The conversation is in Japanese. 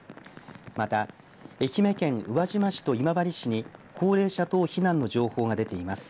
また、愛媛県宇和島市と今治市に高齢者等避難の情報が出ています。